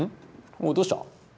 おうどうした？